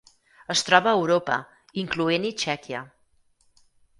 Es troba a Europa, incloent-hi Txèquia.